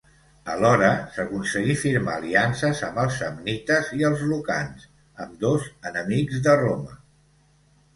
Alhora, s'aconseguí firmar aliances amb els samnites i els lucans, ambdós enemics de Roma.